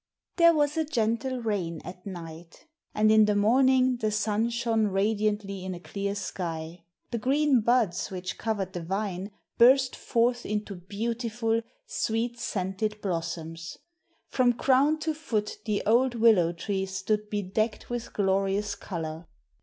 There was a gentle rain at night, and in the morning the sun shone radiantly in a clear sky. The green buds which covered the vine burst forth into beautiful, sweet scented blossoms. From crown to foot the old willow tree stood bedecked with glorious colour.